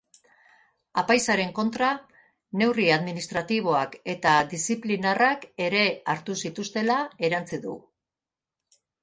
Apaizaren kontra neurri administratiboak eta diziplinarrak ere hartu zituztela erantsi du.